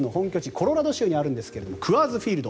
コロラド州にありますがクアーズ・フィールド。